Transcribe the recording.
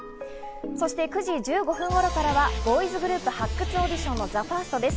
そして９時１５分頃からはボーイズグループ発掘オーディションのＴＨＥＦＩＲＳＴです。